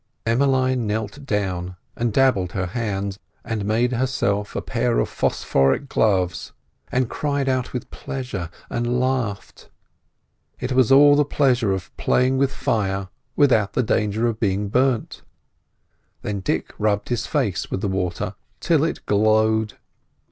Emmeline knelt down and dabbled her hands, and made herself a pair of phosphoric gloves, and cried out with pleasure, and laughed. It was all the pleasure of playing with fire without the danger of being burnt. Then Dick rubbed his face with the water till it glowed.